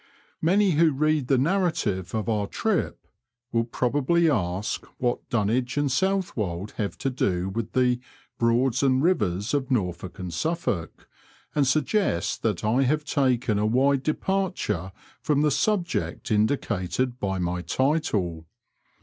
Many who read the narrative of our trip will probably ask what Dunwich and Southwold have to tdo with the Broads and Elvers of Norfolk and Suffolk," and suggest that I have taken a wide departure from the subject indicated by my title.